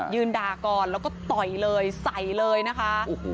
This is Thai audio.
ด่าก่อนแล้วก็ต่อยเลยใส่เลยนะคะ